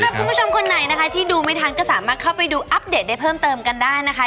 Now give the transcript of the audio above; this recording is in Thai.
คุณผู้ชมคนไหนนะคะที่ดูไม่ทันก็สามารถเข้าไปดูอัปเดตได้เพิ่มเติมกันได้นะคะ